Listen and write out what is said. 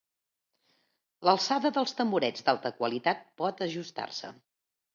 L'alçada dels tamborets d'alta qualitat pot ajustar-se.